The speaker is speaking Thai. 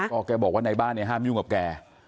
ก็แกบอกว่าในบ้านเนี่ยห้ามยุ่งกับแก